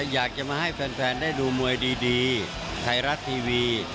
อยากจะมาให้แฟนได้ดูมวยดีไทยรัฐทีวี